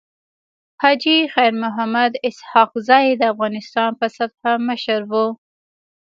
حاجي خير محمد اسحق زی د افغانستان په سطحه مشر وو.